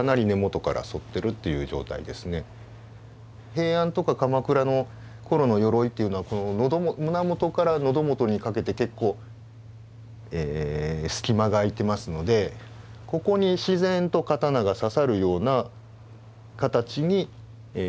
平安とか鎌倉の頃のよろいというのは胸元から喉元にかけて結構隙間が空いてますのでここに自然と刀が刺さるような形になってるわけです。